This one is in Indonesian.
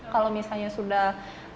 kalau misalnya sudah